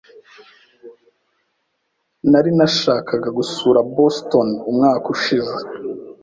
Nari nashakaga gusura Boston umwaka ushize.